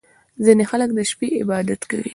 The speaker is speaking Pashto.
• ځینې خلک د شپې عبادت کوي.